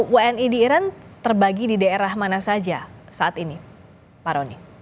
wni di iran terbagi di daerah mana saja saat ini pak roni